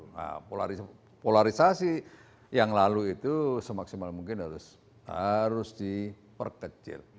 nah polarisasi yang lalu itu semaksimal mungkin harus diperkecil